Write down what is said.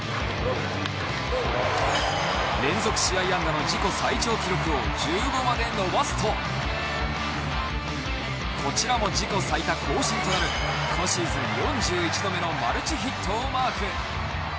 連続試合安打の自己最長記録を１５まで伸ばすとこちらも自己最多更新となる今シーズン４１度目のマルチヒットをマーク。